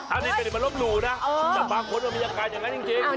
อันนี้เป็นอิมัลลบลูกนะแต่บางคนมันมีอาการอย่างนั้นจริง